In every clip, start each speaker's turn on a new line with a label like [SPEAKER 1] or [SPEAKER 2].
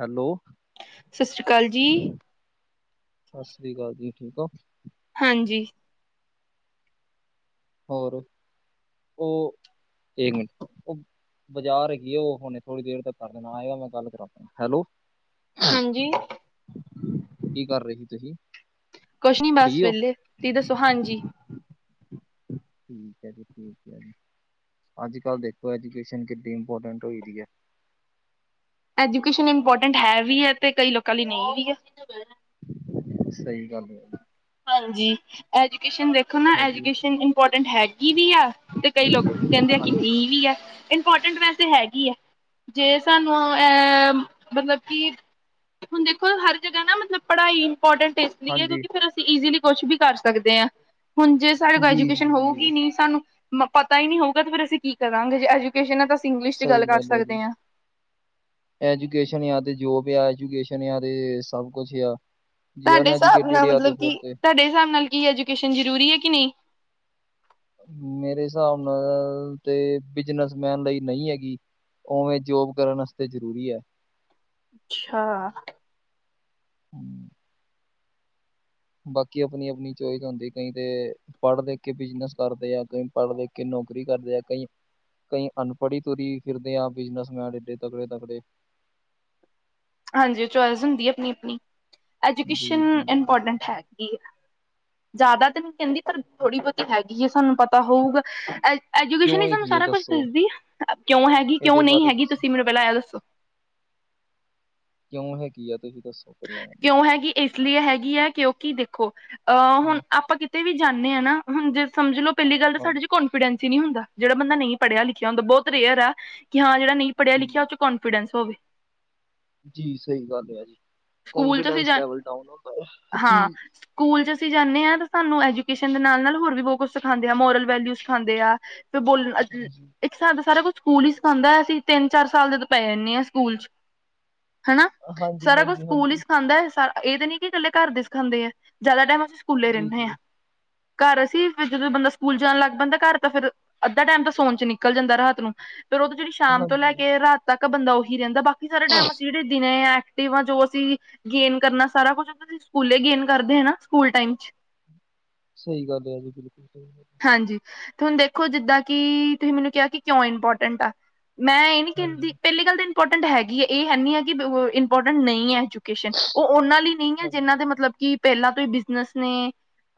[SPEAKER 1] Hello
[SPEAKER 2] ਸਤਿ ਸ੍ਰੀ ਅਕਾਲ ਜੀ।
[SPEAKER 1] ਸਤਿ ਸ੍ਰੀ ਅਕਾਲ ਜੀ ਠੀਕ ਹੋ?
[SPEAKER 2] ਹਾਂਜੀ।
[SPEAKER 1] ਹੋਰ? ਉਹ ਏਕ ਮੀਂ ਬਾਜ਼ਾਰਗੀ ਉਹ, ਹੁਣੇ ਥੋੜ੍ਹੀ ਦੇਰ ਤੱਕ ਕਰ ਦੇਣਾ ਆਗਾ ਮੈਂ ਗੱਲ ਕਰਾਉਂ ਹੈਲੋ
[SPEAKER 2] ਹਾਂਜੀ
[SPEAKER 1] ਕੀ ਕਰ ਰਹੇ ਸੀ ਤੁਸੀਂ?
[SPEAKER 2] ਕੁਛ ਨੀ
[SPEAKER 1] ਫ੍ਰੀ
[SPEAKER 2] ਬਸ
[SPEAKER 1] ਹੋ
[SPEAKER 2] ਵੇਲੇ ਤੁਸੀ ਦਸੋ ਹਾਂਜੀ
[SPEAKER 1] [unintelligible] ਅੱਜ-ਕੱਲ੍ਹ ਦੇਖੋ ਐਜੂਕੇਸ਼ਨ ਕਿੱਡੀ ਇੰਪੋਰਟੈਂਟ ਹੋਈ ਹੈ।
[SPEAKER 2] ਐਜੂਕੇਸ਼ਨ ਇੰਪੋਰਟੈਂਟ ਹੈ ਵੀ ਹੈ ਤੇ ਕਈ ਲੋਕਾਂ ਲਈ ਨਹੀਂ ਵੀ ਹੈ
[SPEAKER 1] ਸਹੀ ਗੱਲ ਹੈ
[SPEAKER 2] ਹਾਂਜੀ ਐਜੂਕੇਸ਼ਨ ਦੇਖੋ ਨਾ
[SPEAKER 1] ਹੈਗੀ
[SPEAKER 2] ਐਜੂਕੇਸ਼ਨ ਇੰਪੋਰਟੈਂਟ ਹੈਗੀ ਵੀ ਆ ਤੇ ਕਈ ਲੋਕ ਕਹਿੰਦੇ ਆ ਕਹਿੰਦੇ ਕਿ
[SPEAKER 1] ਹਾਂਜੀ
[SPEAKER 2] ਇਹੀ ਹੈ। ਵੀ ਹੈ ਇੰਪੋਰਟੈਂਟ ਵੈਸੇ ਹੈਗੀ ਹੈ ਜੇ ਸਾਨੂੰ ਅਹ ਮਤਲਬ ਕਿ ਹੁਣ ਦੇਖੋ ਹਰ ਜਗ੍ਹਾ ਨਾ ਮਤਲਬ ਪੜ੍ਹਾਈ ਇਮਪੋਰਟੈਂਟ ਇਸ ਲਈ ਵੀ ਹੈ
[SPEAKER 1] ਹਾਂਜੀ
[SPEAKER 2] ਵੀ ਅਸੀਂ ਕੁਛ ਵੀ ਕਰ ਸਕਦੇ ਹਾਂ ਹੁਣ ਜੇ ਸਾਡੇ ਕੋਲ
[SPEAKER 1] ਜੀ
[SPEAKER 2] ਐਜੂਕੇਸ਼ਨ
[SPEAKER 1] ਜੀ ਜੀ
[SPEAKER 2] ਹੋਊਗੀ ਨੀ ਸਾਨੂੰ ਪਤਾ ਹੀ ਨਹੀਂੀ ਹੋਊਗਾ ਤੇ ਫਿਰ ਅਸੀਂ ਕੀ ਕਰਾਂਗੇ ਜੇ ਐਜੂਕੇਸ਼ਨ ਹੈ ਤਾਂ ਅਸੀਂ ਇੰਗਲਿਸ਼ ਚ
[SPEAKER 1] ਸਹੀ
[SPEAKER 2] ਕਰ
[SPEAKER 1] ਗੱਲ ਹੈ,
[SPEAKER 2] ਸਕਦੇ ਹਾਂ।
[SPEAKER 1] ਐਜੂਕੇਸ਼ਨ ਜਾਂ ਤੇ ਜੋਬ ਆ ਐਜੂਕੇਸ਼ਨ ਯ ਤੇ ਸਭ ਕੁਛ ਯਾ
[SPEAKER 2] ਤੁਹਾਡੇ ਹਿਸਾਬ ਨਾਲ ਮਤਲਬ ਕੀ, ਤੁਹਾਡੇ ਹਿਸਾਬ ਨਾਲ ਕੀ ਐਜੂਕੇਸ਼ਨ ਜ਼ਰੂਰੀ ਹੈ ਕਿ ਨਹੀਂ?
[SPEAKER 1] ਮੇਰੇ ਹਿਸਾਬ ਨਾਲ ਤੇ ਬਿਜਨਸਮੈਨ ਲਈ ਨਹੀਂ ਹੈਗੀ। ਉਵੇਂ ਜੋਬ ਕਰਨ ਵਾਸਤੇ ਜ਼ਰੂਰੀ ਹੈ।
[SPEAKER 2] ਅੱਛਾ
[SPEAKER 1] [inaudible] ਬਾਕੀ ਆਪਣੀ-ਆਪਣੀ ਚੋਇਸ ਹੁੰਦੀ ਕਈ ਤੇ, ਪੜ੍ਹ ਲਿਖ ਕੇ ਬਿਜਨਸ ਕਰਦੇ ਆ ਕਈ ਪੜ੍ਹ ਲਿਖ ਕੇ ਨੌਕਰੀ ਕਰਦੇ ਆ ਕਈ ਕਈ ਅਨਪੜ੍ਹ ਹੀ ਤੁਰੀ ਫਿਰਦੇ ਹਾਂ ਬਿਜਨਸਮੈਨ ਏਡੇ ਤਕੜੇ ਤਕੜੇ
[SPEAKER 2] ਹਾਂਜੀ ਚੋਇਸ ਹੁੰਦੀ ਆਪਣੀ-ਆਪਣੀ, ਐਜੂਕੇਸ਼ਨ
[SPEAKER 1] ਜੀ-ਜੀ-ਜੀ
[SPEAKER 2] ਇੰਪੋਰਟੈਂਟ ਹੈਗੀ ਆ ਜ਼ਿਆਦਾ ਤਾਂ ਨਹੀਂ ਕਹਿੰਦੀ, ਪਰ ਥੋੜ੍ਹੀ ਬਹੁਤੀ ਹੈਗੀ ਹੈ, ਸਾਨੂੰ ਪਤਾ ਹੋਊਗਾ
[SPEAKER 1] ਕਿਉਂ
[SPEAKER 2] ਐਜੂਕੇਸ਼ਨ ਹੀ ਸਾਨੂੰ
[SPEAKER 1] ਹੈਗੀ ਹੈ
[SPEAKER 2] ਸਾਰਾ ਕੁਛ
[SPEAKER 1] ਦੱਸੋ
[SPEAKER 2] ਦੱਸਦੀ, ਕਿਉਂ ਹੈਗੀ? ਕਿਉਂ
[SPEAKER 1] ਇਹਦੇ
[SPEAKER 2] ਨਹੀਂ
[SPEAKER 1] ਬਾਰੇ
[SPEAKER 2] ਹੈਗੀ? ਤੁਸੀਂ ਮੈਨੂੰ ਪਹਿਲਾਂ ਆ ਦੱਸੋ
[SPEAKER 1] ਕਿਉਂ ਹੈਗੀ ਹ?
[SPEAKER 2] ਕਿਉਂ ਹੈਗੀ? ਇਸ ਲਈ ਹੈਗੀ ਹੈ ਕਿਉਂਕਿ ਦੇਖੋ ਅਹ ਹੁਣ
[SPEAKER 1] ਹਮ,
[SPEAKER 2] ਆਪਾਂ ਕਿਤੇ ਵੀ ਜਾਂਦੇ ਹਾਂ ਨਾ ਹੁਣ ਜੇ ਸਮਝ ਲੋੋ ਪਹਿਲੀ ਗੱਲ ਤਾਂ
[SPEAKER 1] ਹਾਂ
[SPEAKER 2] ਸਾਡੇ ਚ ਕੋਂਫੀਡੈਂਸ ਨਹੀਂ ਹੁੰਦਾ ਜਿਹੜਾ ਬੰਦਾ ਨਹੀਂ ਪੜ੍ਹਿਆ ਲਿਖਿਆੁੰਦਾ ਬਹੁਤੇਅਰ ਹੈ ਕਿ ਹ ਜਿਹੜ ਨਹੀਂ ਪੜਿਆ
[SPEAKER 1] ਜੀ।
[SPEAKER 2] ਲਿਖਿਆ ਉਹ ਚ ਕੋਂਫੀਡੈਂਸ ਹੋਵੇ
[SPEAKER 1] ਜੀ ਸਹੀ ਗੱਲ ਹੈ। ਜੀ
[SPEAKER 2] ਸਕੂਲ ਚ ਅਸੀਂ
[SPEAKER 1] ਕੌਨਫੀਡੈਂਸ ਲੈਵਲ ਡਾਊਨ ਹੁੰਦਾ ਹੈ। ਜੀ।
[SPEAKER 2] ਹਾਂ, ਸਕੂਲ ਚ ਅਸੀਂ ਜਾਂਦੇ ਹਾਂ ਸਾਨੂੰ ਐਜੂਕੇਸ਼ਨ ਦੇ ਨਾਲ-ਨਾਲ ਹੋਰ ਵੀ ਬਹੁਤ ਕੁਛ ਸਿਖਾਂਦੇ ਆ ਮੋਰਲ ਵੈਲਿਊ ਸਿਾਉਂਦੇ ਆ ਬੋਲਣਾ ਜੀ ਇੱਕ ਥਾਂ ਤੇ ਸਾਰਾ ਕੁਝ ਸਕੂਲ ਹੀ ਸਿਖਾਉਂਦਾ ਅਸੀਂ ਤਿੰਨ ਚਾਰ ਸਾਲ ਦੇ ਤਾਂ ਪੈ ਜਾਂਦੇ ਹਾਂ ਸਕੂਲ ਚ ਹਨਨਾ ਸਾਰਾ ਕੁਛ ਸਕੂਲ ਹੀ
[SPEAKER 1] ਹਾਂਜੀ-ਹਾਂਜੀ-ਹਾਂਜੀ
[SPEAKER 2] ਸਿਖਾਂਦਾ, ਹੈਾ ਇਹ ਤੇ ਨੀ ਕਿ ਇਕੱਲੇ ਘਰ ਦੀ ਸਿਖਾਉਦੇ ਹੈ ਜ਼ਿਆਦਾ ਟਾਈਮ ਂ ਸਕੂਲੇ ਰਹਿੰਦੇ ਆ
[SPEAKER 1] ਜੀ-ਜੀ।
[SPEAKER 2] ਘਰ ਅ ਸੀ ਫ ਜਦੋਂ ਬੰਦਾ ਸਕੂਲ ਜਾਣ ਲੱਗ ਪੈਂਦਾ ਘਰ ਤਾਂ ਫਿਰ ਅੱਧਾ ਟਾਈਮ ਤਾਂ ਸੋਨ ਚ ਨਿਕਲ ਜਾਂਦਾ ਰਾਤ ਨੂੰ ਫਿਰ ਉਹ ਤੋਂ ਜਿਹੜੀ ਸ਼ਾਮ ਤੋਂ ਲੈ
[SPEAKER 1] ਹਾਂਜੀ,
[SPEAKER 2] ਕੇ ਰਾਤ ਤੱਕ ਬੰਦਾ ਉਹੀ ਰਹਿੰਦਾ ਬਾਕੀ ਸਾਰੇ ਟਾਈਮ ਅਸੀਂ ਜਿਹੜੇ ਦਿਨ ਆ ਤੇ ਵਾਂ ਜੋ ਅਸੀਂ ਗੇਨ ਕਰਨਾ ਸਾਰਾ ਕੁਛ ਸਕੂਲੇ ਗੇਨ ਕਰਦੇ ਹ ਨਾ ਸਕੂਲ ਟਾਈਮ ਚ
[SPEAKER 1] ਸਹੀ ਗੱਲ ਹੈ ਜੀ ਬਿਲਕੁਲ ਸਹੀ ਗੱਲ
[SPEAKER 2] ਹਾਂਜੀ ਤੇ ਹੁਣ ਦੇਖੋ ਜਿੱਦਾਂ ਕਿ ਤੁਸੀਂ ਮੈਨੂੰ ਕਿਹਾ ਕਿ ਕਿਉਂ ਇੰਪੋਰਟੈਂਟ ਆ ਮੈਂ ਇਹ ਨੀ
[SPEAKER 1] ਹਾਂਜੀ,
[SPEAKER 2] ਕਹਿੰਦੀ ਪਹਿਲੀ ਗੱਲ ਤਾਂ ਇੰਪੋਰਟੈਂਟ ਹੈਗੀ ਹੈ ਇਹ ਹੈਨੀ ਹੈ ਕਿ ਇੰਪੋਰਟੈਂਟ ਨਹੀਂ ਹੈ ਚੁ ਉਹ ਉਹਨਾਂ ਲਈ ਨਹੀਂ ਹੈ ਜਿਹਨਾਂ
[SPEAKER 1] ਹਾਂਜੀ,
[SPEAKER 2] ਦੇ ਮਤਲਬ ਕਿ ਪਹਿਲਾਂ ਤੋਂ ਹੀ ਬਿਜਨਸ ਨੇ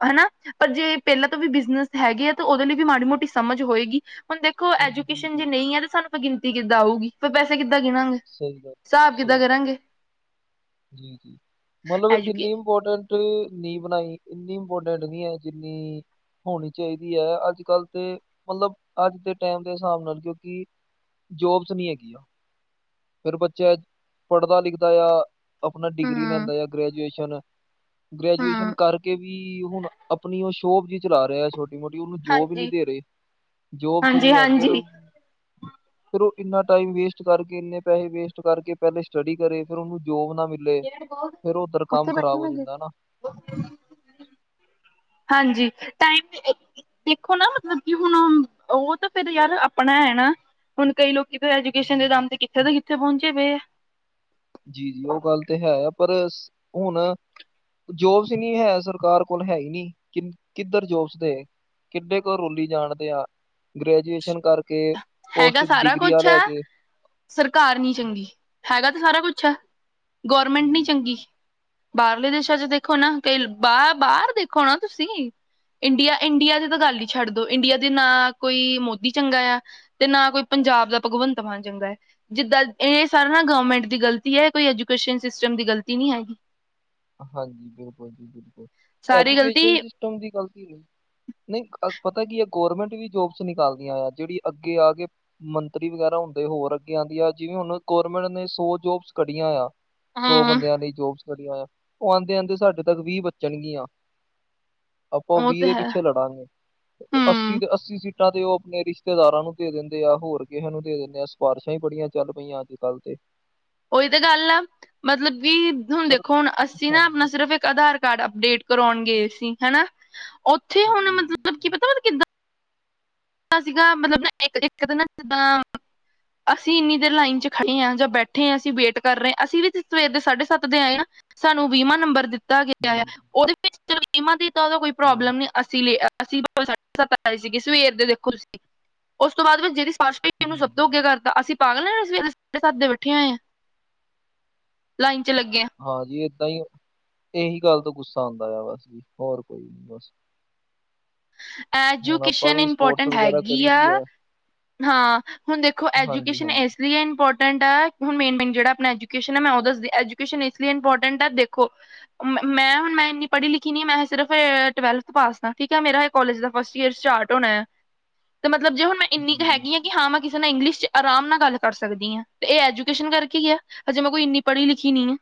[SPEAKER 2] ਹਨਾ ਪਰ ਜੇ ਪਹਿਲਾਂ ਤੋਂ ਵੀ ਬਿਜਨਸ ਹੈਗੇ ਆ ਤਾਂ ਉਹਦੇ ਲਈ ਵੀ ਮਾੜੀ ਮੋਟੀ ਸਮਝ ਹੋਏਗੀ ਹੁਣ ਦੇਖੋ
[SPEAKER 1] ਜੀ,
[SPEAKER 2] ਐਜੂਕੇਸ਼ਨ ਜੇ
[SPEAKER 1] ਜੀ
[SPEAKER 2] ਨਹੀਂ ਹੈ ਤੇ ਸਾਨੂੰ ਗਣਤੀੱਦਾਂ ਆਊਗੀ ਫੇੈਸੇ ਕਿੱਦਾਂ ਗਿਣਾਂਗੇ
[SPEAKER 1] ਸਹੀ ਗੱਲ,
[SPEAKER 2] ਹਿਸਾਬ
[SPEAKER 1] ਸਹੀ
[SPEAKER 2] ਕਿੱਦਾਂ
[SPEAKER 1] ਗੱਲ ਹੈ,
[SPEAKER 2] ਕਰਾਂਗੇ
[SPEAKER 1] ਜੀ ਜੀ ਮਤਲਬ
[SPEAKER 2] ਐਜੂਕੇ
[SPEAKER 1] ਇੰਨੀ ਇੰਪੋਰਟੈਂਟ ਨੀ ਬਣਾਈ ਇੰਨੀ ੋ ਡੈਂਟ ਨਹੀਂ ਹੈ ਜਿੰਨੀ ਹੋਣੀ ਚਾਹੀਦੀ ਹੈ ਅੱਜ ਕੱਲ੍ਹ ਤੇ ਮਤਲਬ ਅੱਜ ਦੇ ਟਾਈਮ ਦੇ ਹਿਸਾਬ ਨਾਲ ਕਿਉਂਕਿ ਜੋਬਸ ਨਹੀਂ ਹੈਗੀਆਂ ਫਿਰ ਬੱਚਾ ਪੜ੍ਹਦਾ ਲਿਖਦਾ ਆ ਆਪਣਾ ਡਿਗਰੀ
[SPEAKER 2] ਹਮ
[SPEAKER 1] ਲੈਂਦਾ ਜਾਂ ਗ੍ਰੈਜੂਏਸ਼ਨ ਗ੍ਰੈਜੂਏਸ਼ਨ
[SPEAKER 2] ਹਮ
[SPEAKER 1] ਕਰਕੇ ਵੀ ਹੁਣ ਆਪਣੀ ਉਹ ਸ਼ੋਪ ਜੀ ਚਲਾ ਰਿਹਾ ਛੋਟੀ ਮੋਟੀ-ਮੋਟੀ ਉਹਨੂੰ ਜੋਬ ਹੀ ਨਹੀਂ
[SPEAKER 2] ਹਾਂਜੀ
[SPEAKER 1] ਦੇ ਰਹੇ ਜੋਬਸ
[SPEAKER 2] ਹਾਂਜੀ
[SPEAKER 1] ਨਹੀਂ ਹੈ ਫੇਰ
[SPEAKER 2] ਹਾਂਜੀ
[SPEAKER 1] ਫਿਰ ਉਹ, ਇੰਨਾ ਟਾਈਮ ਵੇਸਟ ਕਰਕੇ ਇੰਨੇ ਪੈਸੇ ਵੇਸਟ ਕਰਕੇ ਪਹਿਲੇ ਸਟੱਡੀ ਕਰੇ ਫਿਰ ਉਹਨੂੰ ਜੋਬ ਨਾਲ, ਮਿਲੇ ਫਿਰ ਉੱਧਰ ਕੰਮ
[SPEAKER 2] ਉੱਥੇ ਬੈਠੀ
[SPEAKER 1] ਖ਼ਰਾਬ ਹੋ
[SPEAKER 2] ਮੈਂ
[SPEAKER 1] ਜਾਂਦਾ ਨਾ,
[SPEAKER 2] ਹਾਂਜੀ ਟਾਈਮ, ਦੇਖੋ ਨਾ ਮਤਲਬ ਕਿ ਹੁਣ ਉਹ ਤਾਂ ਫਿਰ ਯਾਰ ਆਪਣਾ ਹੈ ਨਾ ਹੁਣ ਕਈ ਲੋਕੀ ਐਜੂਕੇਸ਼ਨ ਦੇ ਦਮ ਤੇ ਕਿੱਥੇ ਤੋਂ ਕਿੱਥੇ ਪਹੁੰਚੇ ਪਏ ਆ।
[SPEAKER 1] ਜੀ ਜੀ ਉਹ ਗੱਲ ਤੇ ਹੈ ਆ ਪਰ ਹੁਣ ਜੋਬਸ ਨਹੀਂ ਹੈ ਸਰਕਾਰ ਕੋਲ ਹੈ ਹੀ ਨਹੀਂ ਕਿ ਕਿੱਧਰ ਜੋ ਉਸਦੇ ਕਿੱਡੇ ਕੋਲ ਰੋਲੀ ਜਾਣਦੇ ਆ। ਗ੍ਰੈਜੂਏਸ਼ਨ ਕਰਕੇ। ਪੋਸਟ
[SPEAKER 2] ਹੈਗਾ ਸਾਰਾ
[SPEAKER 1] ਡਿਗਰੀਆਂ
[SPEAKER 2] ਕੁਛ
[SPEAKER 1] ਲੈ
[SPEAKER 2] ਹੈ
[SPEAKER 1] ਕੇ
[SPEAKER 2] ਸਰਕਾਰ ਨੀ ਚੰਗੀ ਹੈਗਾ ਤਾਂ ਸਾਰਾ ਕੁਛ ਅੱਛਾ ਗੌਰਮੈਂਟ
[SPEAKER 1] ਜੀ
[SPEAKER 2] ਨੀ ਚੰਗੀ
[SPEAKER 1] ਜੀ
[SPEAKER 2] ਬਾਹਰਲੇ ਦੇਸਾਂ ਚ ਦੇਖ ਦੇਖੋ ਨਾ ਕਈ ਬਾਹ ਬਾਹਰ ਦੇਖੋ ਨਾ ਤੁਸੀਂ, ਇੰਡੀਆ-ਇੰਡੀਆ ਦੀ ਤਾਂ ਗੱਲ ਹੀ ਛੱਡ ਦੋ ਇੰਡੀਆ ਦੇ ਨਾ ਕੋਈ ਮੋਦੀ ਚੰਗਾ ਆ। ਤੇ ਨਾ ਕੋਈ ਪੰਜਾਬ ਦਾ ਭਗਵੰਤ ਮਾਨ ਚੰਗਾ ਹੈ ਜਿੱਦਾਂ ਇਹ ਸਾਰਾ ਨਾ ਗਵਰਮੈਂਟ ਦੀ ਗ਼ਲਤੀ ਹੈ ਕੋਈ, ਐਜੂਕੇਸ਼ਨ ਸਿਸਟਮ ਦੀ ਗਲਤੀ ਨਹੀਂ ਹੈਗੀ।
[SPEAKER 1] ਹਾਂਜੀ ਬਿਲਕੁਲ ਜੀ ਬਿਲਕੁਲ
[SPEAKER 2] ਸਾਰੀ ਗ਼ਲਤੀ
[SPEAKER 1] ਐਜੂਕੇਸ਼ਨ ਸਿਸਟਮ ਦੀ ਗਲਤੀ ਨਹੀਂ ਨਹੀਂ ਅ ਪਤਾ ਕੀ ਇਹ ਗੌਰਰਮੈਂਟ ਵੀ ਜੋਬਸ ਨਿਕਾਲਦੀਆਂ ਆ ਜਿਹੜੀ ਅੱਗੇ ਆ ਕੇ ਮੰਤਰੀ ਵਗੈਰਾ ਹੁੰਦੇ ਹੋਰ ਅੱਗੇ ਜਾਂ ਆ ਜਿਵੇਂ ਹੁਣ ਗੌਰਰਮੈਂਟ ਨੇ ਸੌ ਜੋਬਸ ਕੱਢੀਆਂ ਆ ਸੌ
[SPEAKER 2] ਹਾਂ,
[SPEAKER 1] ਬੰਦਿਆਂ ਲਈ ਜੋਬਸ ਕਢੀਆਂ ਆ ਉਹ ਆਉਂਦੇ ਆਉਂਦੇ ਸਾਡੇ ਤੱਕ ਵੀਹ ਬਚਣਗੀਆਂ ਆਪਾਂ
[SPEAKER 2] ਉਹ
[SPEAKER 1] ਵੀਹ
[SPEAKER 2] ਤੇ
[SPEAKER 1] ਦੇ
[SPEAKER 2] ਹੈ,
[SPEAKER 1] ਪਿੱਛੇ ਲੜਾਂਗੇ ਅੱਸੀ
[SPEAKER 2] ਹੂੰ,
[SPEAKER 1] ਦੇ ਅੱਸੀ ਸੀਟ ਟਾਂ ਤੇ ਉਹ ਆਪਣੇ ਰਿਸ਼ਤੇਦਾਰਾਂ ਨੂੰ ਦੇ ਦਿੰਦੇ ਆ ਹੋਰ ਕਿਸੇ ਨੂੰ ਦੇ ਦਿੰਦੇ ਆ ਸਿਫਾਰਸ਼ਾਂ ਹੀ ਬੜੀਆਂ ਚੱਲ ਪਈਆਂ ਅੱਜ-ਕੱਲ੍ਹ ਤੇ
[SPEAKER 2] ਉਹੀ ਤਾਂ ਗੱਲ ਆ ਮਤਲਬ ਕਿ ਹੁਣ
[SPEAKER 1] ਸਰ
[SPEAKER 2] ਦੇਖੋ ਹੁਣ ਅ, ਸੀ ਨਾ
[SPEAKER 1] ਹਾਂਜੀ
[SPEAKER 2] ਆਪਣਾ ਸਿਰਫ਼ ਇੱਕ ਆਧਾਰ ਕਾਰਡ ਅਪਡੇਟ ਕਰਵਾਣ ਗਏ ਸੀ ਹਨਾ। ਉੱਥੇ ਹੁਣ
[SPEAKER 1] ਜੀ ਜੀ
[SPEAKER 2] ਮਤਲਬ ਕੀ ਪਤਾ ਮਤਲਬ ਕਿੱਦਾਂ ਸੀਗਾ ਮਤਲਬ ਨਾ ਇੱਕ-ਇੱਕ ਤਾਂ ਨਾ ਜਿੱਦਾਂ, ਅਸੀਂ ਇੰਨੀ ਦੇਰ ਲਾਈਨ ਚ ਖੜੇ ਹਾਂ ਜਾਂ ਬੈਠੇ ਹਾਂ ਅਸੀਂ ਵੇਟ ਕਰ ਰਹੇ ਹਾਂ ਅਸੀਂ ਵੀ ਸਵੇਰ ਦੇ ਸਾਢੇ ਸੱਤ ਦੇ ਆਏ ਹਾਂ। ਸਾਨੂੰ ਵੀਮਾ ਨੰਬਰ ਦਿੱਤਾ। ਤਾ ਗਿਆ ਆ
[SPEAKER 1] ਜੀ
[SPEAKER 2] ਉਹਦੇ ਵਿੱਚਮਾ ਦੀ ਤਾਂ ਉਹਦਾ ਕੋਈ
[SPEAKER 1] ਜੀ
[SPEAKER 2] ਪ੍ਰੋਬਲਮ ਨ ਅਸੀਂ ਅਸੀਂ ਬਾਬਾ ਸਾਢੇ ਸੱਤ ਆਏ ਸੀਗੇ ਸਵੇਰ ਦੇ ਦੇਖੋ ਤੁਸੀਂ ਉਸ ਤੋਂ ਬਾਅਦ ਵੀ ਜਿਹੜੀ ਨੂੰ
[SPEAKER 1] ਜੀ
[SPEAKER 2] ਸ਼ਬ ਤੋ
[SPEAKER 1] ਜੀ
[SPEAKER 2] ਅੱਗੇ ਕਰਤਾ ਅਸੀ ਪਾਗਲ ਸਵੇਰੇ ਸਾਢੇ ਸੱਤ ਦੇ ਬੈਠੇ ਹੋਏ ਆ ਲਾਈ
[SPEAKER 1] ਹਾਂਜੀ ਇਹ, ਦ ਇਹੀ ਗੱਲ ਤੋਂ ਗੁੱਸਾ ਆਉਂਦਾ ਆ ਬਸ ਜੀ ਹੋਰ ਕੋਈ ਨੀ ਬਸ, ਹੁਣ ਆਪਾਂ
[SPEAKER 2] ਐਜੂਕੇਸ਼ਨ
[SPEAKER 1] ਵੀ ਸਪੋਰਟਸ
[SPEAKER 2] ਇੰਪੋਰਟੈਂਟ
[SPEAKER 1] ਵਗੈਰਾ
[SPEAKER 2] ਹੈਗੀ
[SPEAKER 1] ਕਰੀ ਦੀ
[SPEAKER 2] ਆ। ਹਾਂ, ਹੁਣ ਦੇਖੋ
[SPEAKER 1] ਹਾਂਜੀ
[SPEAKER 2] ਐਜੂਕੇਸ਼ਨ
[SPEAKER 1] ਹਾਂਜੀ
[SPEAKER 2] ਇਸ ਲਈ ਇੰਪੋਰਟ ਹੁਣ ਮੇਨ-ਮੇਨ ਜਿਹੜਾ ਆਪਣਾ ਐਜੂਕੇਸ਼ਨ ਹੈ ਮੈਂ ਉਹ ਦੱਸਦੀ, ਐਜੂਕੇਸ਼ਨ ਇਸ ਲਈ ਇੰਪੋਰਟ ਹੈ ਦੇਖੋ। ਮੈਂ ਹੁਣ ਮੈਂ ਇੰਨੀ ਪੜ੍ਹੀ ਲਿਖੀ ਨੀ ਆ ਮੈਂ ਸਿਰਫ ਟਵੇਲਥ ਪਾਸ ਆ ਠੀਕ। ਮੇਰਾ ਇਹ ਕਾਲਜ ਦਾ ਫਸਟ ਈਅਰ ਸਟਾਰਟ ਹੋਣਾ ਹੈ, ਤੇ ਮ ਮਤਲਬੇ ਹੁਣ ਇੰਨੀ
[SPEAKER 1] ਜੀ ਜੀ
[SPEAKER 2] ਹੈਗੀ ਐ ਕਿ ਹਾ ਮੈ ਕਿਸੇ ਨਾਲ ਇੰਗਲਸ਼ ਆਰਾਮ ਨਾਲ ਗੱਲ ਕਰ ਸਕਦੀ ਆ ਤੇ ਇਹ ਐਜੂਕੇਸ਼ਨ ਕਰਕੇ ਹੀ ਆ ਹਜੇ ਮੈਂ ਕੋਈ ਇੰਨੀ ਪੜ੍ਹੀ ਲਿਖੀ ਨੀ ਆ।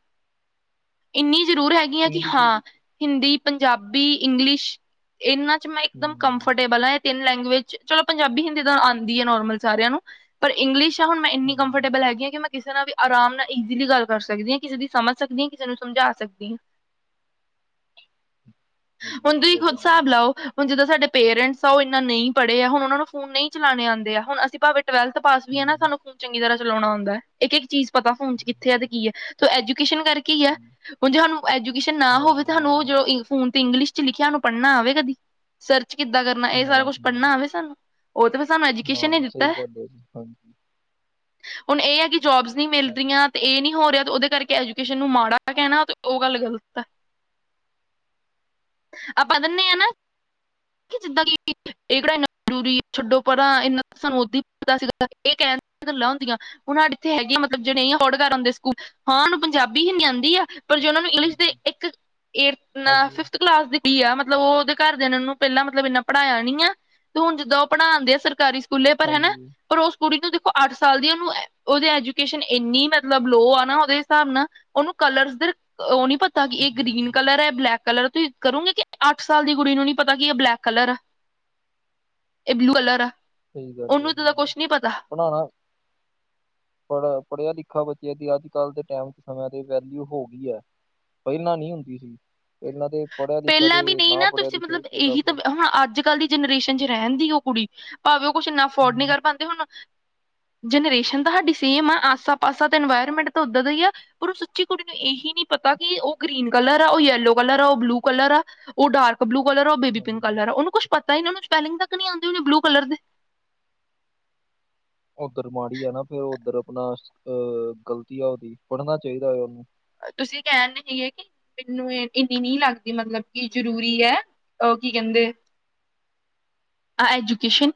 [SPEAKER 2] ਇੰਨੀ, ਜ਼ਰੂਰ ਹੈਗੀ ਆਂ ਕਿ
[SPEAKER 1] ਇੰਗਲਿਸ਼ ਹੈ
[SPEAKER 2] ਹਾਂ
[SPEAKER 1] ਜੀ
[SPEAKER 2] ਹਿੰਦੀ, ਪੰਜਾਬੀ, ਇੰਗਲਿਸ਼ ਇਹਨਾਂ ਇੱਕਦਮ
[SPEAKER 1] ਹੂੰ
[SPEAKER 2] ਕੰਫਰਟੇਬਲ ਆ, ਤਿੰਨ ਲੈਂਗੁਏਜ, ਚਲੋ ਪੰਜਾਬੀ ਹਿੰਦੀ ਤਾਂ ਆਦੀ ਹੈ ਨੋਰਮਲ ਸਾਰਿਆਂ ਨੂੰ ਪਰ ਇੰਗਲਿਸ਼ ਹੁਣ ਇੰਨੀ
[SPEAKER 1] ਹਾਂਜੀ
[SPEAKER 2] ਕੰਫਰਟੇਲ ਹੈਗੀ ਕਿ ਮੈਂ ਕਿਸੇ ਨਾਲ ਵੀ ਆਰਾਮ ਨਾਲ ਈਜ਼ੀਲੀ ਗੱਲ ਕਰ ਸਕਦੀ ਆ, ਕਿਸੇ ਦੀ ਸਮਝ ਸਕਦੀ ਆ ਕਿਸੇ ਨੂੰ ਸਮਝਾ ਸਕਦੀ ਆ। ਹੁਣ ਤੁਸੀਂ ਖੁਦ
[SPEAKER 1] ਹ
[SPEAKER 2] ਹਿਸਾਬ ਲਓ ਹੁਣ ਜਿੱਦਾਂ ਸਾਡੇ ਪੇਰੈਂਟਸ ਆ, ਉਹ ਇੰਨਾ ਨਹੀਂ ਪੜ੍ਹੇ ਆ ਹੁਣ ਉਹਨਾਂ ਨੂੰ ਫੋਨ ਨਹੀਂ ਚਲਾਣੇ ਆਦੇ ਆ ਹੁਣ ਅਸੀਂ ਭਾਵੇਂ ਟਵਥ ਪਾਸ ਵੀ ਹੈ, ਨਾ
[SPEAKER 1] ਹੂੰ
[SPEAKER 2] ਸਾਨੂੰ ਫੋਨ ਚੰਗੀ ਤਰ੍ਹਾਂ ਚਲਾਉਣਾ ਆਉਂਦਾ। ਇੱਕ ਇੱਕ ਚੀਜ਼ ਪਤਾ ਫੋਨ ਚ ਕਿੱਥੇ ਤੇ ਕੀ ਹੈ। ਐਜ਼ੂਕੇਸ਼ਨਲ ਕਰਕੇ ਹੀ ਆ
[SPEAKER 1] ਹੂੰ
[SPEAKER 2] ਹੁਣ ਜੇ ਸਾਨੂੰ ਐਜੂਕੇਸ਼ਨ ਨਾ
[SPEAKER 1] ਹਾਂਜੀ
[SPEAKER 2] ਹੋਵੇਾਨੂੰ
[SPEAKER 1] ਹਾਂਜੀ
[SPEAKER 2] ਉਹ ਫੋਨ ਤੇ ਇੰਗਿਸ਼ ਚ ਲਿਖਿਆ ਪੜ੍ਹਨਾ ਆਵੇ ਕਦੀ, ਸਰਚ ਕਿੱਦਾਂ ਕਰਨਾ, ਇਹ ਸਾਰਾ ਕੁੱਛ ਪੜ੍ਹਨਾ ਆਵੇ ਸਾਨੂੰ। ਉਹ ਤਾਂ ਫਿਰ ਸਾਨੂੰ
[SPEAKER 1] ਹਾਂ
[SPEAKER 2] ਐਜੂਕੇਸ਼ਨ ਨੇ ਦਿੱਤਾ
[SPEAKER 1] ਸਹੀ ਗੱਲ ਹੈ, ਜੀ ਹਾਂਜੀ।
[SPEAKER 2] ਹੁਣ ਇਹ ਹੈ ਕਿ ਜੋਬਸ ਨਹੀਂ
[SPEAKER 1] ਹਾਂ
[SPEAKER 2] ਮਿਲਦੀਆਂ ਤੇ ਇਹ ਨੀ ਹੋ ਰਿਹਾ, ਤੇ ਉਹਦੇ ਕਰਕੇ ਐਜੂਕੇਸ਼ਨ ਨੂੰ ਮਾੜਾ ਕਹਿਣਾ ਤੇ ਉਹ ਗੱਲ ਗ਼ਲਤ ਹੈ।
[SPEAKER 1] [unintelligible]
[SPEAKER 2] ਆਪਾਂ ਦੇਣੇ ਆ ਨਾ ਜਿੱਦਾਂ ਕਿ ਇਹ ਕਿਹੜਾ ਇਨਾ ਜ਼ਰੂਰੀ ਹੈ। ਛੱਡੋ ਪਰਾ ਇੰਨਾ ਸਾਨੂੰ ਓਦਾਂ ਹੀ ਪਤਾ ਸੀ। ਗੱਲਾਂ ਹੁੰਦੀਆਂ ਹੁਣ ਸਾਡ ਇੱਥੇ ਹੈਗੀਆਂ ਮਤਲਬ ਜਿੜੇ ਨਹੀਂ ਅਫੋਰਡ ਕਰਦੇ ਸਕੂਲ ਹਾਂ, ਉਹਨੂੰ ਪੰਜਾਬੀ ਹਿੰਦੀ ਆਉਂਦੀ ਆ ਪਰ ਜੇ ਉਹਨਾਂ ਨੂੰ
[SPEAKER 1] ਜੀ
[SPEAKER 2] ਇੰਗਲਿਸ਼ ਦੇ
[SPEAKER 1] ਜੀ
[SPEAKER 2] ਇੱਕ ਏ ਨਾ
[SPEAKER 1] ਹਾਂਜੀ
[SPEAKER 2] ਫਿਫਥ ਕਲਾਸ ਦੀ ਕੁੜੀ ਆ ਮਤਲਬ ਉਹਦੇ ਘਰਦਿਆਂ ਨੇ ਓਨੂੰ ਪਹਿਲਾਂ ਮਤਲਬ ਇੰਨਾ ਪੜ੍ਹਾਇਆ ਨੀ, ਆ ਤੇ ਹੁਣ ਜਿੱਦਾਂ ਉਹ ਪੜ੍ਹਾਨ ਦੇ ਆ ਸਰਕਾਰੀ ਸਕੂਲੇ ਪਰ ਹਨਾ।
[SPEAKER 1] ਹਾਂਜੀ
[SPEAKER 2] ਪਰ ਉਸ ਕੁੜੀ ਨੂੰ ਅੱਠ ਸਾਲ ਦੀ। ਉਹਨੂੰ ਉਹਦੇ ਐਜੂਕੇਸ਼ਨ ਇੰਨੀ ਮਤਲਬ ਲੋਅ ਆ ਨਾ ਉਹਦੇ ਹਿਸਾਬ ਨਾਲ ਉਹਨੂੰ ਕਲਰ ਉਹ ਨੀ ਪਤਾ ਕਿ ਇਹ
[SPEAKER 1] ਜੀ
[SPEAKER 2] ਗ੍ਰੀਨ ਕਲਰ ਹੈ, ਬਲੈਕ ਕਲਰ ਤੋਂ ਕਰੂੰਗੇ ਕਿ ਅੱਠ ਸਾਲ ਦੀ ਕੁੜੀ ਨੂੰ ਨੀ ਪਤਾ ਕਿ ਇਹ ਬਲੈਕ ਕਲਰ ਆ, ਇਹ ਬਲੂ ਕਲਰ ਆ।
[SPEAKER 1] ਸਹੀ ਗੱਲ
[SPEAKER 2] ਉਹਨੂੰ ਤਾਂ ਕੁਛ ਨੀ ਪਤਾ
[SPEAKER 1] ਪੜ੍ਹਾਣਾ ਪੜ ਪੜ੍ਹਿਆ ਲਿਖਿਆ ਬਾ ਦੀ ਅੱਜ-ਕੱਲ੍ਹ ਦੇ ਟਾਈਮ ਚ ਸਮਿਆਂ ਤੇ ਵੈਲਊ ਹੋ ਗਈ ਹੈ, ਪਹਿਲਾਂ ਨਹੀਂ ਹੁੰਦੀ ਸੀ। ਪਹਿਲਾਂ ਤੇ ਪੜ੍ਹਿਆ ਲਿਖਿਆ
[SPEAKER 2] ਪਹਿਲਾਂ ਵੀ
[SPEAKER 1] ਤੇ
[SPEAKER 2] ਨਹੀਂ, ਨਾ
[SPEAKER 1] ਪੜ੍ਹਿਆ
[SPEAKER 2] ਤੁਸੀਂ
[SPEAKER 1] ਲਿਖਿਆ ਵੀ
[SPEAKER 2] ਮਤਲਬ
[SPEAKER 1] ਪੂਰਾ
[SPEAKER 2] ਇਹੀ ਤਾਂ
[SPEAKER 1] ਹੂੰ,
[SPEAKER 2] ਹੁਣ ਅੱਜ-ਕੱਲ੍ਹ ਦੀ ਜਨਰੇਸ਼ਨ ਚ ਰਹਿਣ ਦੀ ਉਹ ਕੁੜੀ। ਭਾਵੇਂ ਉਹ ਕੁਛ ਇੰਨਾ ਅਫੋਰਡ ਨਹੀਂ ਕਰ ਪਾਦੇ ਹੋਣ
[SPEAKER 1] ਹ
[SPEAKER 2] ਜਨਰੇਸ਼ਨ ਤਾਂ ਸਾਡੀ ਸੇਮ ਆ। ਆਸਾ ਪਾਸਾ ਤਾਂ ਇਨਵਾਇਰਮੈਂਟ ਤਾਂ ਉੱਦਾਂ ਦਾ ਹੀ ਆ। ਪਰ ਉਹ ਸੱਚੀ ਕੁੜੀ ਨੂੰ ਇਹੀ ਨੀ ਪਤਾ ਪਤਾ ਕਿ, ਉਹ ਗ੍ਰਰੀਨ ਕਲਰ ਆ ਉਹ ਯੈਲੋ ਕਲਰ ਆ ਉਹ ਬਲੂ ਕਲਰ ਆ! ਉਹ ਡਾਰਕ ਬਲੂ ਕਲਰ ਆ ਉਹ ਬੇਬੀ ਪਿੰਕ
[SPEAKER 1] ਹਾਂਜੀ
[SPEAKER 2] ਕਲਰ ਆ ਉਹਨ ਕੁਛ ਪਤਾ ਇਹਨਾਂ ਨੂੰ ਸਪੈਲਿੰਗ ਤੱਕ ਨਹੀਂ ਆਉਂਦੇ ਹੋਣੇ ਬਲੂ ਕਲਰ ਦੇ।
[SPEAKER 1] ਓਧਰ ਮਾੜੀ ਆ ਨਾ, ਫੇਰ ਓਧਰ ਆਪਣਾ ਅਹ ਗ਼ਲਤੀ ਆ ਉਹਦੀ ਪੜ੍ਹਨਾ ਚਾਹੀਦਾ ਉਹਨੂੰ।
[SPEAKER 2] ਤੁਸੀਂ ਕਹਿਣ ਸੀਗੇ, ਕਿ ਮੈਨੂੰ ਇੰਨੀ ਨਹੀਂ ਲੱਗਦੀ ਮਤਲਬ ਕਿ ਜਰੂਰੀ ਹੈ। ਉਹ ਕੀ ਕਹਿੰਦੇ ਐਜੂਕੇਸ਼ਨ,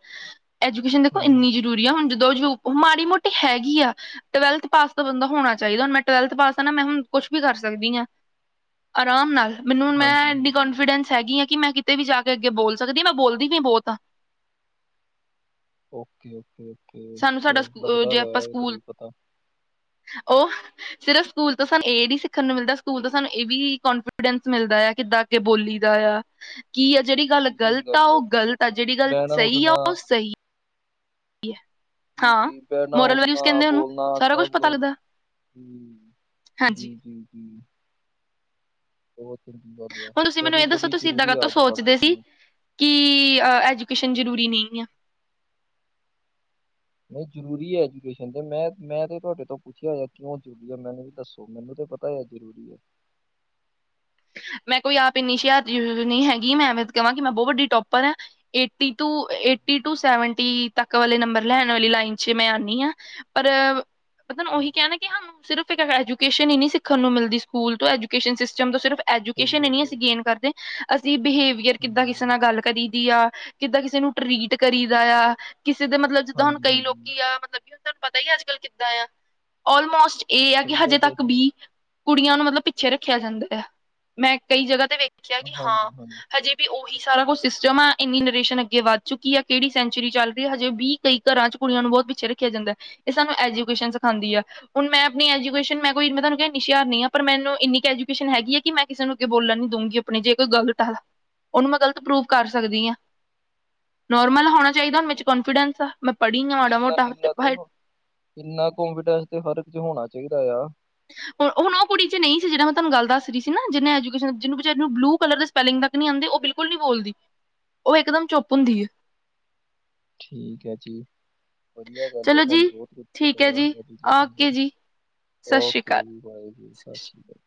[SPEAKER 2] ਐਜੂਕੇਸ਼ਨ ਦੇਖੋ
[SPEAKER 1] ਹੂੰ
[SPEAKER 2] ਇੰਨੀ ਜ਼ਰੂਰੀ ਆ। ਹੁਣ ਜਦੋਂ ਜਦੋਂ ਮਾੜੀ ਮੋਟੀ ਹੈਗੀ ਆ। ਟਵੈਲਥ ਪਾਸ ਦਾ ਬੰਦਾ ਹੋਣਾ ਚਾਹੀਦਾ। ਹੁਣ ਮੈਂ ਟਵੈਲਥ ਪਾਸ ਆ ਨਾ ਮੈਂ ਹੁਣ ਕੁਛ ਵੀ ਕਰ ਸਕਦੀ ਆ ਆਰਾਮ ਨਾਲ। ਮੈਨੂੰ ਮੈਂ
[SPEAKER 1] ਹਾਂਜੀ
[SPEAKER 2] ਇੰਨੀ
[SPEAKER 1] ਹਾਂਜੀ
[SPEAKER 2] ਕੋਂਨਫੀਡੈਂਸ ਹੈਗੀ ਆ, ਕਿ ਮੈਂ ਕਿਤੇ ਵੀ ਜਾ ਕੇ ਅੱਗੇ ਬੋਲ ਸਕਦੀ। ਮੈਂ ਬੋਲਦੀ ਵੀ ਬਹੁਤ। ਤਾਂ
[SPEAKER 1] ਓਕੇ ਓਕੇ। ਓਕੇ
[SPEAKER 2] ਸਾਨੂੰ
[SPEAKER 1] ਤੇ
[SPEAKER 2] ਸਾਡਾ ਸਕੂ
[SPEAKER 1] ਲੱਗਦਾ
[SPEAKER 2] ਜੇ
[SPEAKER 1] ਵੈ
[SPEAKER 2] ਆਪਾਂ
[SPEAKER 1] ਇਧਰ
[SPEAKER 2] ਸਕੂਲ
[SPEAKER 1] ਵੀ ਪਤਾ
[SPEAKER 2] ਉਹ ਸਿਰਫ ਸਕੂਲ ਤੋਂ ਸਾਨੂੰ ਇਹ ਨੀ ਸਿੱਖਣ ਨੂੰ ਮਿਲਦਾ ਸਕੂਲ ਤੋਂ ਸਾਨੂੰ ਇਹ ਵੀ ਕੋਂਨਫੀਡੈਂਸ ਮਿਲਦਾ ਹੈ ਕਿੱਦਾਂ ਅੱਗੇ ਬੋਲੀ ਦਾ ਕੀ ਆ ਜਿਹੜੀ ਗੱਲ
[SPEAKER 1] ਜੀ ਸਹੀ
[SPEAKER 2] ਗ਼ਲਤ ਆ
[SPEAKER 1] ਗੱਲ
[SPEAKER 2] ਉਹ
[SPEAKER 1] ਜੀ
[SPEAKER 2] ਗ਼ਲਤ ਆ ਜਿਹੜੀ ਗੱਲ
[SPEAKER 1] ਬਹਿਣਾ
[SPEAKER 2] ਸਹੀ
[SPEAKER 1] ਉੱਠਣਾ
[SPEAKER 2] ਆ ਉਹ ਸਹੀ ਹੈ
[SPEAKER 1] ਜੀ
[SPEAKER 2] ਹਾਂ
[SPEAKER 1] ਜੀ ਬਹਿਣਾ
[SPEAKER 2] ਮੋਰਲ ਵੈਲਿਊਜ
[SPEAKER 1] ਉੱਠਣਾ
[SPEAKER 2] ਕਹਿੰਦੇ ਉਹਨੂੰ
[SPEAKER 1] ਬੋਲਣਾ
[SPEAKER 2] ਸਾਰਾ ਕੁੱਛ
[SPEAKER 1] ਸਭ
[SPEAKER 2] ਪਤਾ
[SPEAKER 1] ਕੁਛ
[SPEAKER 2] ਲੱਗਦਾ
[SPEAKER 1] ਹੂੰ
[SPEAKER 2] ਹਾਂਜੀ
[SPEAKER 1] ਜੀ ਜੀ ਜੀ ਬਹੁਤ ਚੰਗੀ ਗੱਲ ਆ
[SPEAKER 2] ਹੁਣ ਤੁਸੀਂ ਮੈਨੂੰ
[SPEAKER 1] ਸਟੱਡੀ
[SPEAKER 2] ਇਹ ਦੱਸੋ
[SPEAKER 1] ਬਡੀ
[SPEAKER 2] ਤੁਸੀਂ ਏਦਾਂ
[SPEAKER 1] ਜ਼ਰੂਰੀ ਆ
[SPEAKER 2] ਕਾਤੋਂ
[SPEAKER 1] ਅੱਜ ਕੱਲ੍ਹ ਦੇ
[SPEAKER 2] ਸੋਚਦੇ ਸੀ
[SPEAKER 1] ਸਮੇਂ
[SPEAKER 2] ਕਿ ਐਜੂਕੇਸ਼ਨ ਜ਼ਰੂਰੀ
[SPEAKER 1] ਹੂੰ।
[SPEAKER 2] ਨਹੀਂ ਆ
[SPEAKER 1] ਨਹੀਂ ਜ਼ਰੂਰੀ ਹੈ ਐਜੂਕੇਸ਼ਨ ਤੇ ਮੈਂ ਮੈਂ ਤੇ ਤੁਹਾਡੇ ਤੋਂ ਪੁੱਛਿਆ ਹੋਇਆ ਕਿਉਂ ਜ਼ਰੂਰੀ ਹੈ ਮੈਨੂੰ ਵੀ ਦੱਸੋ? ਪਤਾ ਆ ਜ਼ਰੂਰੀ ਹੈ।
[SPEAKER 2] ਮੈਂ ਕੋਈ ਆਪ ਇੰਨੀ ਸਿਆਰ ਨਹੀਂ ਹੈਗੀ ਮੈਂ ਕਹਾਂਗੀ ਮੈਂ ਬਹੁਤ ਵੱਡੀ ਟੋਪਰ ਆ eighty to- eighty to seventy ਤਕ ਵਾਲੇ ਨੰਬਰ ਲੈਣ ਵਾਲੀ ਲਈਨ ਚ ਮੈਂ ਆਂਦੀ ਆ ਪਰ ਪਤਾ ਉਹੀ ਕਹਿਣਾ ਕਿ ਸਾਨੂੰ ਸਿਰਫ ਇੱਕ ਐਜੂਕੇਸ਼ਨ ਹੀ ਨੀ ਸਿੱਖਣ ਨੂੰ ਮਿਲਦੀ ਸਕੂਲ ਤੋਂ ਐਜੂਕੇਸ਼ਨ ਸਿਸਟਮ ਤੋਂ ਸਿਰਫ
[SPEAKER 1] ਸਹੀ
[SPEAKER 2] ਐਜੂਕੇਸ਼ਨ ਹੈ ਨਹੀਂ
[SPEAKER 1] ਗੱਲ
[SPEAKER 2] ਅਸੀਂ ਗੇਨ ਕਰਦੇ ਅਸੀਂ ਬਿਹੇਵੀਅਰ ਕਿੱਦਾਂ ਕਿਸੇ
[SPEAKER 1] ਹੂੰ
[SPEAKER 2] ਨਾਲ ਗੱਲ ਕਰੀ ਦੀ ਆ ਕਿੱਦਾਂ ਕਿਸੇ ਨੂੰ ਟਰੀਟ ਕਰੀ ਦਾ ਆ ਕਿਸੇ ਦੇ ਮਤਲਬ ਜਿੱਦਾਂ ਹੁਣ
[SPEAKER 1] ਹਾਂਜੀ
[SPEAKER 2] ਕਈ
[SPEAKER 1] ਹਾਂਜੀ
[SPEAKER 2] ਲੋਕੀ ਆ ਮਤਲਬ ਕਿ ਤੁਹਾਨੂੰ ਪਤਾ ਹੀ ਅੱਜ ਕੱਲ ਕਿੱਦਾਂ ਆ ਆਲਮੋਸਟ ਏ ਆ ਕਿ
[SPEAKER 1] ਸਹੀ
[SPEAKER 2] ਹਜੇ
[SPEAKER 1] ਗੱਲ ਹੈ
[SPEAKER 2] ਤੱਕ
[SPEAKER 1] ਜੀ,
[SPEAKER 2] ਬੀ- ਕੁੜੀਆਂ ਨੂੰ ਮਤਲਬ ਪਿੱਛੇ ਰੱਖਿਆ ਜਾਂਦਾ ਹੈ ਮੈਂ ਕਈ ਜਗ੍ਹਾ ਤੇ ਵੇਖਿਆ ਕਿ ਹਾਂ
[SPEAKER 1] ਹਾਂਜੀ ਹਾਂਜੀ।
[SPEAKER 2] ਹਜੇ ਵੀ ਉਹ- ਸਾਰਾ ਕੁਛ ਸਿਸਟਮ ਆ ਇੰਨੀ ਜਨਰੇਸ਼ਨ ਅੱਗੇ ਵੱਧ ਚੁੱਕੀ ਆ ਕਿਹੜੀ ਸੈਂਚੁਰੀ ਚੱਲ ਰਹੀ ਹੈ ਹਜੇ ਵੀ ਕਈ ਘਰਾਂ ਚ ਕੁੜੀਆਂ ਨੂੰ- ਬਹੁਤ ਪਿੱਛੇ ਰੱਖਿਆ ਜਾਂਦਾ ਹੈ ਇਹ ਸਾਨੂੰ ਐਜੂਕੇਸ਼ਨ ਸਿਖਾਉਂਦੀ ਆ ਹੁਣ ਮੈਂ ਆਪਣੀ ਐਜੂਕੇਸ਼ਨ ਮੈਂ ਕੋਈ ਮੈਂ ਤੁਹਾਨੂੰ ਕ ਨਿਸ਼- ਪਰ ਮੈਨੂੰ ਇੰਨੀ ਕੁ ਐਜੂਕੇਸ਼ਨ ਹੈਗੀ ਹੈ ਕਿ ਮੈਂ- ਕਿਸੇ ਨੂੰ ਅੱਗੇ ਬੋਲਣ ਨੀ ਦਊਗੀ ਆਪਣੀ ਜੇ ਕੋਈ ਗਲਤ ਆ ਉਹਨੂੰ ਮੈਂ ਗ਼ਲਤ ਪ੍ਰੂਫ਼ ਕਰ ਸਕਦੀ ਹਾਂ- ਨੋਰਮਲ ਹੋਣਾ ਚਾਹੀਦਾਣ ਮੇ ਕੋਂਨਫੀਡੈਂਸ ਆ ਮੈਂ ਪੜ੍ਹੀ ਹਾਂ
[SPEAKER 1] ਵੀ
[SPEAKER 2] ਮਾੜਾ
[SPEAKER 1] ਇੰਨਾ
[SPEAKER 2] ਮੋਟਾ
[SPEAKER 1] ਇੰਨਾ ਤੇ ਹੋ- ਇੰਨਾ ਕਪੀਟੈਂਸ ਤੇ ਹਰ ਕੁ ਚ ਹੋਣਾ ਚਾਹੀਦਾ ਆ-
[SPEAKER 2] ਹੁਣ ਉਹ ਕੁੜੀ ਚ ਨਹੀਂ ਜਿਹੜ ਮੈਂ ਗੱਲ ਦ ਰਹੀ ਸੀ ਨਾ ਜਿੰਨੇ ਐਜੂਕੇਸ਼ਨ ਜਿਹਨ ਬ ਨੂੰ ਬਲੂ ਕਲਰ ਸਪਲਿੰਗ ਤੱਕ ਆਉਂਦੇ- ਉਹ ਬਿਲਕੁਲ ਨਹੀਂ ਬੋਲਦੀ ਉਹ ਇਕ ਦਮ ਚੁੱਪ ਹੁੰਦੀ ਹੈ-
[SPEAKER 1] ਠੀਕ ਹੈ ਜੀ- ਵਧੀਆ ਗੱਲ ਹੈ
[SPEAKER 2] ਚਲੋ
[SPEAKER 1] ਤੁਹਾਨੂੰ
[SPEAKER 2] ਜੀ
[SPEAKER 1] ਬਹੁਤ ਕੁਛ ਪਤਾ
[SPEAKER 2] ਠੀਕ ਹੈ ਜੀ
[SPEAKER 1] ਐਜੂਕੇਸ਼ਨ
[SPEAKER 2] ਓਕੇ
[SPEAKER 1] ਬਾਰੇ
[SPEAKER 2] ਜੀ
[SPEAKER 1] -
[SPEAKER 2] ਸਤਿ ਸ਼੍ਰੀ
[SPEAKER 1] ਓਕੇ
[SPEAKER 2] ਅਕਾਲ
[SPEAKER 1] ਜੀ ਵਾਹਿ ਜੁਰ ਸਤਿ ਸ਼੍ਰੀ ਅਕਾਲ-